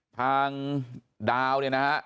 ทางดาวเนี่ยนะฮะ